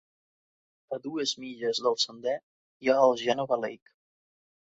A dues milles del sender hi ha el Geneva Lake.